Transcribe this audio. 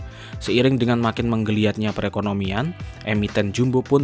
sepanjang tahun dua ribu dua puluh dua seiring dengan makin menggeliatnya perekonomian emiten jumbo pun